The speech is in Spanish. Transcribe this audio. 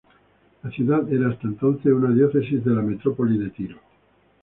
La ciudad era hasta entonces una diócesis de la Metrópoli de Tiro.